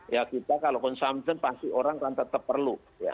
ya kita kalau consumption pasti orang akan tetap perlu